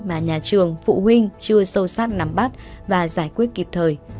mà nhà trường phụ huynh chưa sâu sát nắm bắt và giải quyết kịp thời